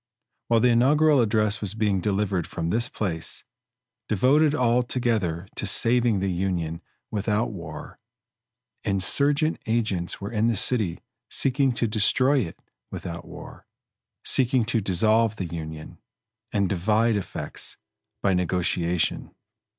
While the inaugural address was being delivered from this place, devoted altogether to saving the Union without war, insurgent agents were in the city seeking to destroy it without war seeking to dissolve the Union, and divide effects, by negotiation.